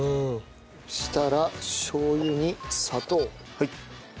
そしたらしょう油に砂糖。